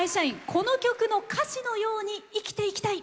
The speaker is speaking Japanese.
この曲の歌詞のように生きていきたい。